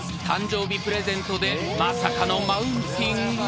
［誕生日プレゼントでまさかのマウンティング？］